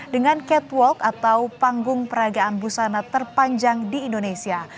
dengan catwalk atau panggung peragaan busana terpanjang di indonesia